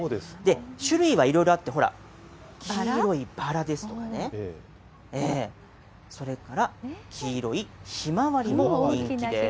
種類はいろいろあって、ほら、黄色いバラですとかね、それから黄色いヒマワリも人気です。